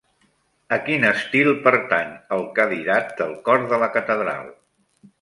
A quin estil pertany el cadirat del cor de la catedral?